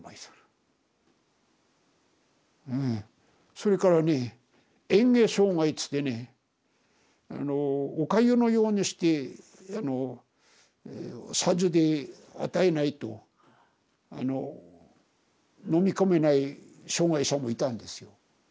それからね嚥下障害っつってねあのおかゆのようにしてさじで与えないと飲み込めない障害者もいたんですよ。